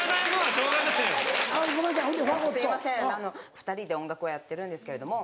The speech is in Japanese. ２人で音楽をやってるんですけれども。